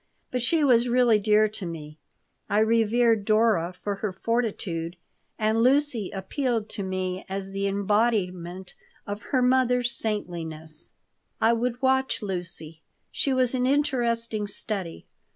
But she was really dear to me. I revered Dora for her fortitude, and Lucy appealed to me as the embodiment of her mother's saintliness I would watch Lucy. She was an interesting study.